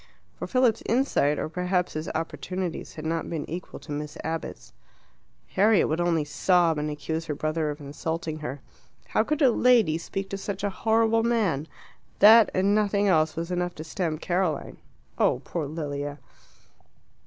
For Philip's insight, or perhaps his opportunities, had not been equal to Miss Abbott's. Harriet would only sob, and accuse her brother of insulting her; how could a lady speak to such a horrible man? That, and nothing else, was enough to stamp Caroline. Oh, poor Lilia!